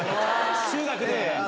中学で。